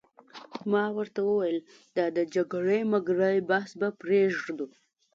ما ورته وویل: دا د جګړې مګړې بحث به پرېږدو.